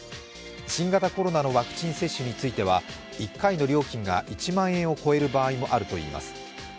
新型コロナのワクチン接種については１回の料金が１万円を超える場合もあるということです。